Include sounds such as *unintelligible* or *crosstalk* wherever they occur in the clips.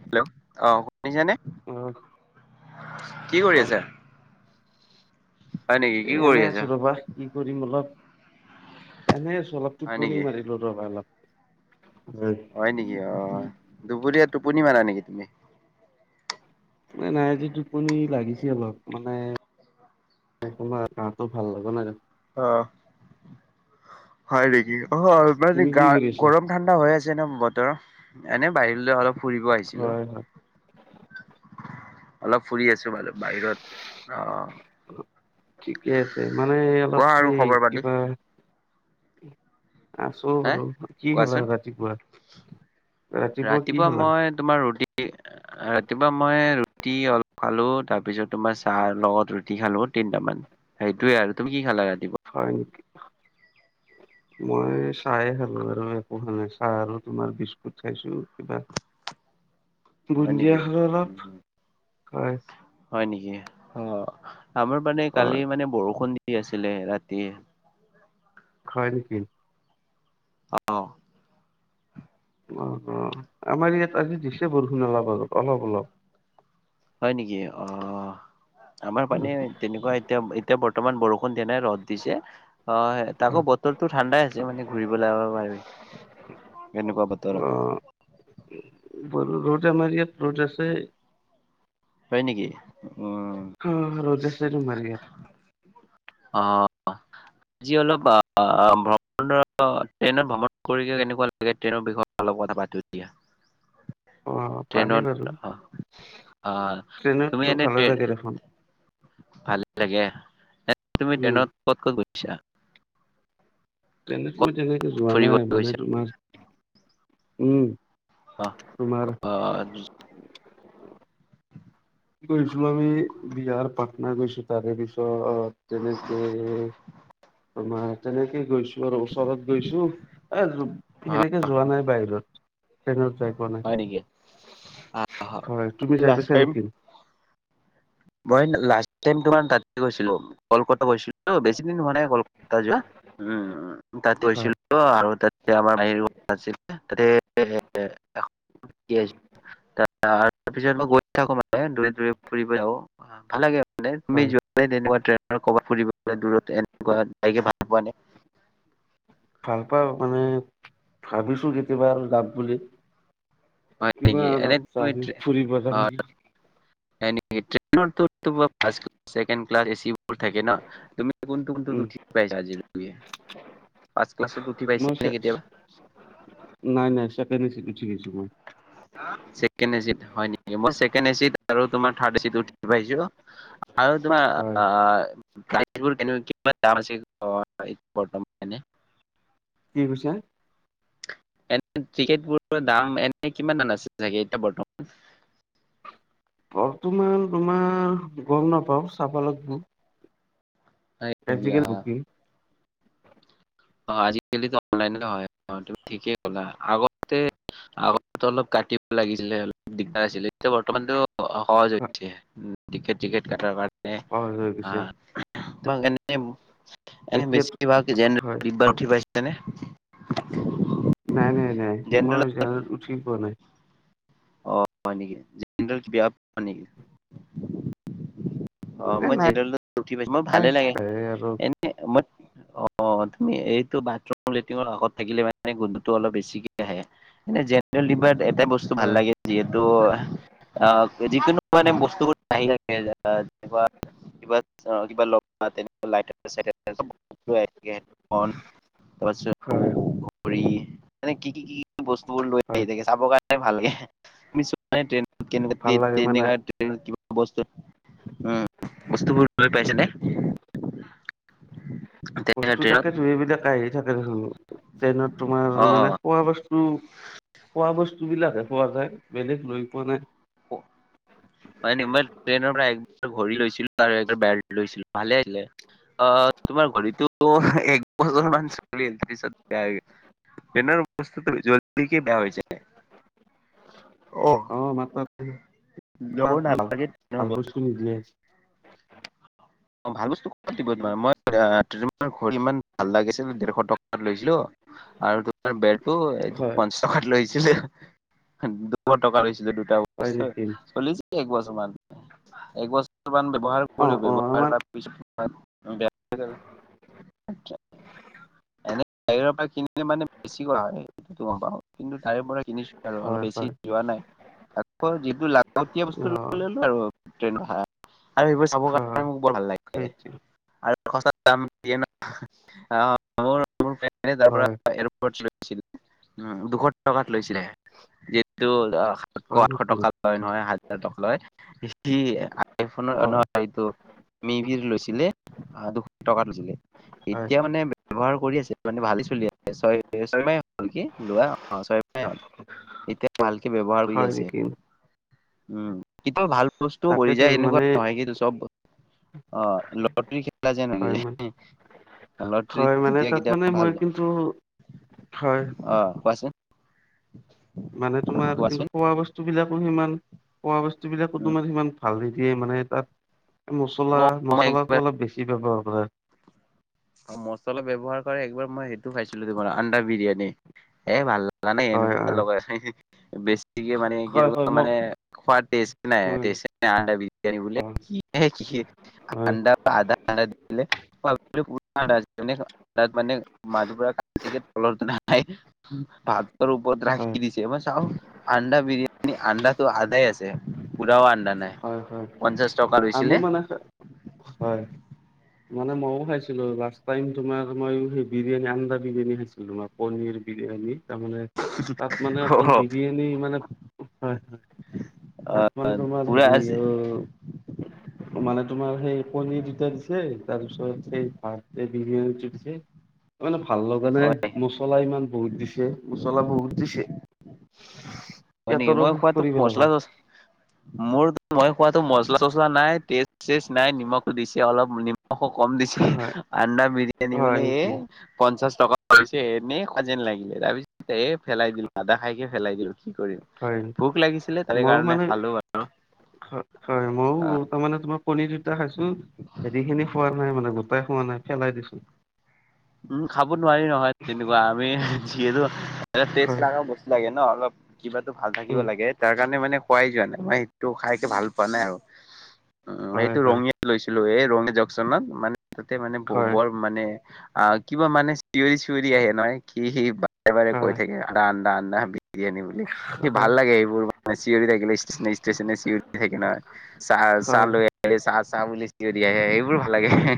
Hello অ শুনিছেনে। *unintelligible* কি কৰি অ', আছা? হয় নেকি এ কি কৰি এনেই আছা আছো ৰ'বা, কি কৰিম অলপ এনে আছো অলপ হয় নেকি টোপনি মাৰিম। তহঁতৰ ভাল আও। হয় নেকি অ', দুপৰীয়া টোপনি মাৰা নেকি তুমি? নাই-নাই আজি টোপনি লাগিছে অলপ, মানে *unintelligible* গাটো ভাল লাগ নাই দেখোন। অ'। হয় নেকি? অ', মানে তুমি কি গা, কৰি আছা? গৰম ঠাণ্ডা হৈ আছে ন বতৰ এনে বাহিৰ অলপ ফুৰিব আহিছিলোঁ‌, হয়, হয় অলপ ফুৰি আছো বাৰু। বাহিৰত, অ'। ঠিকে আছে, মানে অলপ কোৱা আৰু সেই খবৰ পাতি কিবা আছো হে বাৰু, কি খেলা কোৱাচোন ৰাতিপুৱা? ৰাতিপুৱা কি খালা? তোমাৰ ৰুটি। ৰাতিপুৱা মই ৰুটি অলপ খালোং, তাৰপিছত তোমাৰ চাহৰ লগত ৰুটি খালো তিনটামান। সেইটয়ে আৰু, তুমি কি খালা ৰাতি হয় নেকি? মই চাহে খালো আৰু একো খোৱা নাই, চাহ আৰু তোমাৰ বিস্কুট খাইছো কিবা হয় নেকি বুঞ্জিয়াৰ মল বুঞ্জিয়া উম *unintelligible* হয়। হয় নেকি? অ', আমাৰ মানে কালি হয়, মানে বৰষুণ দি আছিলে ৰাতি খায় নেকি? অ'। অ', অ', আমাৰ ইয়াত আজি দিছে বৰষুণ অলপ আগত, অলপ অলপ। হয় নেকি? অ'। আমাৰ পানে তেনেকুৱা এতিয়া, এতিয়া বৰ্তমান বৰষুণ দিয়া নাই, ৰ'দ দিছে। অ', সে তাকো বতৰটো ঠাণ্ডাই আছে, মানে ঘূৰিবলে যাব পাৰি। এনেকুৱা বতৰত। বাৰু ৰ'দ আমাৰ ইয়াত ৰ'দ আছে। হয় নেকি? অ'। অ', ৰ'দ আছে তোমাৰ ইয়াত। অ'। আজি অলপ অ', ভ্ৰমণৰ, ট্ৰেইনত ভ্ৰমণ কৰি কেনেকুৱা লাগে ট্ৰেইনৰ বিষয়ে অলপ কথা পাতোঁ দিয়া। *inaudible* অ', পাৰি ট্ৰেইনত বাৰু, অ অ তুমি ট্ৰেইনতটো এনে ভালে ট্ৰেইন লাগে দেখোন। ভালে লাগে, এনে তুমি উম ট্ৰেনত ক'ত ক'ত গৈছা? ট্ৰেনত মই তেনেকে যোৱা ফুৰিব নাই, মানে গৈছে তোমাৰ, উম। অ', তোমাৰ অ' গৈছিলোঁ আমি বিহাৰ, পাটনা গৈছোঁ, তাৰে পিছত তেনেকে তোমাৰ তেনেকে গৈছোঁ‌। যোৱাৰ বছৰত গৈছো, এ, সেনেকে যোৱা নাই বাহিৰত। ট্ৰেনত যাই পোৱা নাই, নেকি? হয়, তুমি যাই লাষ্ট পাইছা টাইম নেকি? মই লাষ্ট টাইম তোমাৰ তাতে গৈছিলোঁ‌, কলকাতা গৈছিলো, বেছি দিন হোৱা নাই কল কাতা যোৱা, উম, তাত হয় গৈছিলোঁ‌। *unintelligible* তাৰপিছত মই গৈ থাকো মানে দূৰে দূৰে ফুৰিব আহ আৰু। অ ভাল লাগে মানে তুমি হয় যোৱা *unintelligible* কৰবাত ফুৰিব দূৰত এনেকুৱাকে ভাল পোৱা নাই। ভাল পাওঁ মানে ভাবিছো কেতিয়াবা আৰু যাম বুলি। হয় কিবা নেকি এনে অলপ তুমি *unintelligible* ফুৰিব যাম। হয় নিকি। ট্ৰেইনৰ তোমাৰ ফাষ্ট কেলা চেকেণ্ড কেলা এচি থাকেই ন তুমি কোনটো কোনটোত উম উঠি পাইছা আজিলৈকে ফাৰ্ষ্ট ক্লাছত উঠি মই পাইছে নে কেতিয়াবা? নাই নাই চেকেণ্ড এচিত উঠি গৈছো মই। চেকেণ্ড এচিত হয় নেকি। মই চেকেণ্ড এচিত আৰু তোমাৰ থাৰ্ড এচিত উঠি পাইছো। আৰু তোমাৰ হয় আ গাইডবোৰ কেমেকুৱা কিমান দাম হৈছে বৰ্তমান হয়নে। কি কৈছা? এনে টিকেট বোৰৰ দাম এনে কিমান মান আছে চাগে এতিয়া বৰ্তমান? বৰ্তমান তোমাৰ গম নাপাওঁ চাব লাগিব। হয় নেকি? অ', *unintelligible* অ আজিকালিটো অনলাইনতে হয়। অ তুমি ঠিকেই ক'লা আগতে আগতে অলপ কাটি ব লাগিছিলে অলপ দিগদাৰ আছিলে এতিয়া বৰ্তমানটো সহজ হৈছে টিকেট-চিকেট কটাৰ কাৰণে। সহজ হৈ গৈছে এতিয়া *unintelligible* হয় উঠি পাইছানে? নাই নাই নাই মই জেনেৰেলত উঠি পোৱা নাই। অ হয় নি। জেনেৰেলত কি বেয়া পোৱা নিকি? অ এ মই নাই জেনেৰেলত উঠি পাইছো মোৰ ভালে লাগে, আৰু এনে মই অ তুমি এইটো বাথৰুম লেট্ৰিনৰ আগত থাকিলে মানে মানে গোন্ধটো অলপ বেছিকে আহে এনে জেনেৰেল ডিবাত এটা বস্তু ভাল হয় লাগে যিহেতু অ যিকোনো মানে বস্তুবোৰ আহি থাকে তেনেকুৱা কিবা অহ কিবা লগপাম তেনেকুৱা *unintelligible* কেক, বন হয় তাৰপিছত ঘড়ীৰ এনেকে কি কি বস্তুবোৰ লৈ হয় আহি থাকে চাবৰ কাৰণে ভাল লাগে ভাল লাগে মানে *unintelligible* কিবা বস্তু উম। বস্তুবোৰ লৈ পাইছেনে? *inaudible* তেনেকুৱা বস্তু ট্ৰেইনত তাকেটো এইবিলাক আহি থাকে দেখোন ট্ৰেইনত অ তোমাৰ মানে খোৱা বস্তু খোৱা বস্তুবিলাকহে পোৱা যায় বেলেগ লৈ পোৱা নাই। *unintelligible* বাইনেমল ট্ৰেইনৰ পৰা একবাৰ ঘড়ী লৈছিলো আৰু একবাৰ বেল্ট লৈছিলো ভালে আহিলে আৰু। আ তোমাৰ ঘড়ীটো এক ক'ত আছে জানো *unintelligible* ট্ৰেইন বস্তুটো জল্দি কে বেয়া হৈ যায়। অ *unintelligible* মাত্ৰ ল'ব নালাগে ট্ৰেইনৰ বস্তু। উম, জীয়াই আছো। অ, ভাল বস্তু ক'ত দিব তোমাৰ মই তোমাৰ ঘড়ীৰ ইমান ভাল লাগিছিল ডেৰশ টকাত লৈছিলো আৰু তো আৰু বেলটো এইটো হয় পঞ্চাছ টকাত লৈছিলে দুশ টকা লৈছিলে দুটা ব হয় নেকি চলিছিল এক বছৰ মান এক বছৰ মান ব্যৱহাৰ অ কৰিলো অ ব্যৱহাৰ আমাৰ কাৰোবাৰ পিছত *unintelligible* বেয়া হৈ গ'ল। আচ্ছা, এনে বাহিৰৰ পৰা কিনিলে মানে বেছি কৰা হয়। *unintelligible* তাৰেপৰা কিনিছো আৰু হয় অলপ বেছি হয় যো, ৱা নাই। আকৌ যিটো লাগতিয়াল বস্তু অ লয় ললোঁ আৰু ট্ৰেইন অহাৰ আগতে। আৰু সেইবোৰ চাব কাৰণে হয় মোৰ বৰ ভাল লাগে। সেইটো আৰু সস্থাত দাম দিয়ে না আহ মোৰ *unintelligible* পৰা হয় এয়াৰপোৰ্ট লৈছিলে। উম, দুশ টকাত লৈছিলে। যিহেতু সাতশ, হয় আঠশ নেকি টকা *unintelligible* হাজাৰ টকা লয় হয় *unintelligible* *unintelligible* লৈছিলে, আহ দুশ টকা লৈছিলে। হয় এতিয়া মানে ব্যৱহাৰ কৰি আছে, মানে ভালেই চলি আছে। ছয়-ছয়মাহে হ'ল *unintelligible* লোৱা অহ' ছয়মাহ হ'ল, এতিয়া ভালকে ব্যৱহাৰ কৰি হয় আছে। নেকি উম, কেতিয়াবা ভাল বস্তু কৰি তাকেতো যায় মানে এনেকুৱাঁ নহয় কিন্তু চ'ব অহ' লটাৰী খেলা যে *unintelligible* হয় মানে যায়। হয় লটৰীত মানে তেতিয়া তাত মানে কেতিয়াবা ভাল। মই কিন্তু হয় অ'হ কোৱাছোন। মানে তোমাৰ কিন্তু কোৱাচোন খোৱা বস্তু বিলাকো সিমান। খোৱা বস্তু বিলাকো উম তোমাৰ সিমান। হালধি মানে তাত মছলা অ', মই মছলাটো একবাৰ অলপ বেছি ব্যৱহাৰ কৰা হয়। অ'হ মছলা ব্যৱহাৰ কৰে একবাৰ মই সেইটো খাইছিলোঁ, তোমাৰ আন্দাৰ বিৰিয়ানী এ ভাল লা মানে হয় এনেকুৱা হয় লগাই আছে বেছিকে মানে হয় হয় কেনেকুৱা মই মানে খোৱা টেষ্ট নাই হয় টেষ্ট নাই- হয় *unintelligible* হয় আন্দা *unintelligible* দিলে *unintelligible* তাতমানে মাজৰপৰা খালে ঠিকেই। তলত নাই। ভাতৰ ওপৰত হয় ৰাখি দিছে। তে' মই চাওঁ আন্দা বিৰিয়ানী আন্দাটো আধা আছে পুৰা আ আন্দা নাই। হয় হয় পঞ্চাশ টকা আমো লৈছিলে। মানে হয়। মানে মইয়ো খাইছিলোঁ লাষ্ট টাইম তোমাৰ মই সেই বিৰিয়ানী আন্দা বিৰিয়ানী খাইছিলোঁ তোমাক। পনীৰ বিৰিয়ানী তাৰমানে তাত মানে অকল বিৰিয়ানী মানে হয়, হয়। তাত মানে তোমাৰ পুৰা হেৰি আছে অ'হ মানে তোমাৰ সেই পনীৰ দুটা দিছে, তাৰপিছত সেই ভাত এই বিৰিয়ানীটো দিছে। মানে ভাল লগা নাই, ম হয় মচলা ইমান বহুত দিছে, মচলা বহুত দিছে। *unintelligible* হয় নেকি পেটৰ মই অসুখ খোৱাতো কৰি মছলা পেলাব। চছলা মোৰ, মই খোৱাাতো মচলা চচলা নাই, টেষ্ট চেষ্ট নাই, নিমখো দিছে অলপ নিম কম দিছে, হয় আণ্ডা বিৰিয়ানী হয় বোলে এ, নেকি পঞ্চাশ টকা। পিছে এনেই খোৱা যেন লাগিলে, তাৰ পিছত এ পেলাই দিলো, আধা খাইকিনে পেলাই দিলো। *unintelligible* কি কৰিম, হয় ভোক লাগিছিলে তাৰে মইও কাৰণে মানে খালো আৰু। হয়, হয়, ময়ো তাৰ মানে তোমাৰ কণী দুটা খাইছোঁ, হেৰি খিনি খোৱা নাই মানে, গোটেই খোৱা নাই পেলাই দিছোঁ। উম' খাব নোৱাৰি নহয় তেনেকুৱা, আমি যিহেতু টেষ্ট হয় লগা বস্তু লাগে ন', অলপ কিবাটো ভাল থাকিব উম লাগে। তাৰ কাৰণে মানে খোৱাই যোৱা নাই, মই সেইটো খাইকে ভাল পোৱা নাই আৰু উম, হয় এইটো হয় ৰঙীয়া লৈছিলোঁ এই ৰঙীয়া জংচনত, মানে তাতে মানে হয় বৰ মানে অহ, কিবা মানে চিঞৰি, চিঞৰি আহে নহয়, হেৰি বাৰে, বাৰে হয় কৈ থাকে, আন্ডা, আন্ডা, আন্ডা। *unintelligible* বুলি সেই হয় ভাল লাগে, এইবোৰ মানে চিঞৰি থাকিলে ষ্টেচনে, ষ্টেচনে চিঞৰি থাকে নহয়। চাহ-চাহ হয় লৈ চাহ-চাহ বুলি চিঞৰি আহে সেইবোৰ ভাল লাগে।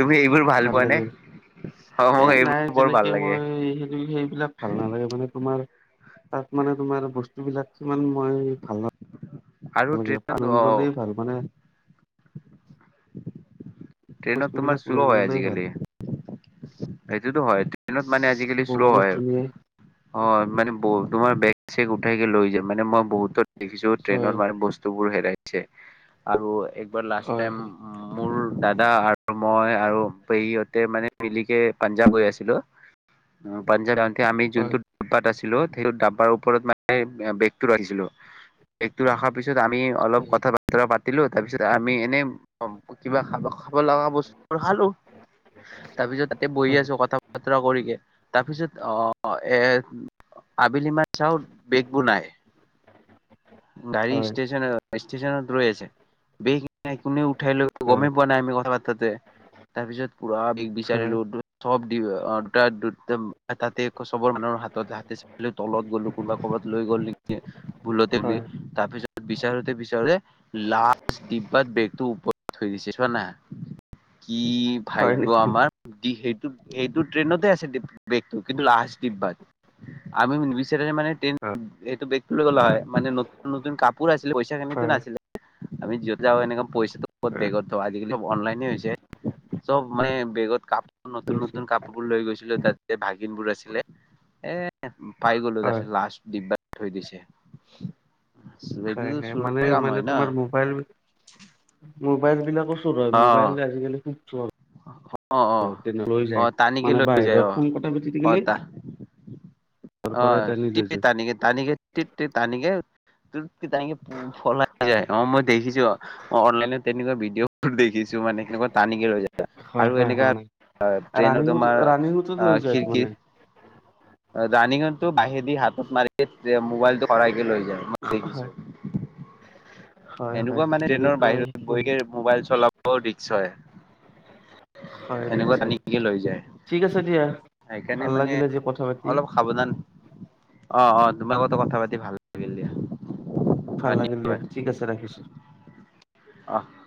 তুমি এইবোৰ ভাল পোৱা নে? অ', এ মোক নাই, এইবোৰ বৰ ভাল তেনেকে লাগে মই সেই সেইবিলাক ভাল নালাগে। মানে তোমাৰ তাত মানে তোমাৰ বস্তু বিলাক কিমান মই ভাল আৰু *unintelligible* ট্ৰেইনত পাহৰি অ' গ'লে ভাল মানে। ট্ৰেইনত তোমাৰ বস্তুবিলাক শ্ল' লৈ গ'লেই ভাল। সেইটোৱেতো হয় ট্ৰেইনত মানে আজিকালি বহু শ্ল' হয়। বস্তু নিয়ে অ' মানে তোমাৰ বেগ-চেগ উঠাইকে লৈ যায়। মানে মই বহুতত দেখিছো! ট্ৰেইনত হয় মানে বস্তুবোৰ হেৰাইছে। আৰু একবাৰ লাষ্ট হয় টাইম হয় মোৰ দাদা আৰু মই আৰু পেহীহঁতে মানে মিলিকে পাঞ্জাৱ গৈ আছিলো। পাঞ্জাৱ যাওঁতে আমি যোনটো হয় ডাব্বাত আছিলো সেইটো ডাব্বাৰ ওপৰত মানে বেগটো ৰাখিছিলো। বেগটো ৰাখাৰ পিছত আমি অলপ কথা পা পৰা পাতিলো তাৰ পিছত আমি এনেই কিবা খাব, খাব লগা বস্তু খালো। তাৰপিছ বহি হয় আছো কথা-বতৰা কৰিকে। তাৰ পিছত অ' এ আবেলি মান চাওঁ, বেগবোৰ নাই। গাড়ী হয় ষ্টেচনে-ষ্টেচনত ৰৈ আছে। বেগ কোনে উঠাই লৈ হয় গমেই পোৱা নাই আমি কথা পাতোতে, তাৰ পিছত পুৰা হয় বি-বিচাৰিলো। *unintelligible* দুটা তাতে চবৰ মানুহৰ হাতত-হাতে চালো, তলত গ'লো কোনবা ক'ৰবাত লৈ গ'ল নেকি ভুলতে বুলি। হয় তাৰপিছত বিচাৰোতে-বিচাৰোতে লাষ্ট ডিব্বাত বেগটো ওপৰত থৈ দিছে চোৱা না! কি হয় ভাগ্য নেকি আমাৰ সেইটো সেইটো ট্ৰেইনতে আছে কিন্তু লাষ্ট ডিব্বাত। আমি নিবিচাৰিলে মানে এইটো বেগটো লৈ গ'লে হয়, মানে নতুন নতুন কাপোৰ আছিলে পইচা খিনিতো হয় নাছিলে। আমি য'ত যাওঁ, এনেকে পইচাটো হয় বেগত আজিকালি অনলাইনে হৈছে চব মানে বেগত কাপ নতুন বেছি নতুন কাপোৰ বোৰ লৈ গৈছিলো, তাতে ভাগিন বোৰ আছিলে। এ পাই গ'লো হয় তাৰপিছত লাষ্ট ডিব্বাত থৈ দিছে। হয় এইটোতো হয়, মানে চোৰৰে কাম মানে হয় না তোমাৰ মো'বাইল ম'বাইলবিলাকো চুৰ হয়। অ ম'বাইল আজিকালি খুব চোৰ অ' অ' অহ' তানিকে মানে লৈ যায় বাহিৰৰ অহ। ফোন কটা বেছি অহ থাকিলে তা তাৰ পৰাই অহ' টানি লৈ টিপ এ যায় তানিকে-তানিকে তিপতে তানিকে তিপকে তানিকে পু-পলাই লৈ যায়, অহ মই দেখিছোঁ। অহ'! অহ' অনলাইনত তেনেকুৱা ভিডিঅ'বোৰ দেখিছোঁ মানে। সেনেকুৱা টানিকে লৈ যায়। হয় আৰু হয় এনেকা হয় নাই ট্ৰেইনত ৰানিঙত তোমাৰ ৰানিঙতো লৈ আ' যায় তাৰ খিৰকি মানে অহ' ৰাণিঙতটো বাহেদি হাতত মাৰি এ ম'বাইলটো ভৰাইকে লৈ *inaudible* হয় দেখিছোঁ। হয় হয় এনেকুৱা মানে ট্ৰেইনৰ তেনেকুৱাই বাহিৰত বহি মানে কেনে ম'বাইল চলাব ৰিস্ক হয়। হয় ৰিক্স এনেকুৱা হয় টানিকেনে লৈ যায়। ঠিক আছে দিয়া সেইকাৰণে ভাল মানে লাগিলে যে কথা পাতি অলপ সাৱধান! অ' অ', তোমাৰ লগতো কথা পাতি ভাল লাগিল দিয়া। ভাল লাগিল দিয়া! ঠিক আছে ৰাখিছোঁ। অহ'।